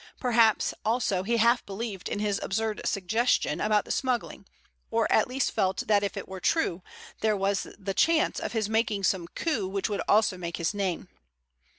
Perhaps also he half believed in his absurd suggestion about the smuggling, or at least felt that if it were true there was the chance of his making some coup which would also make his name.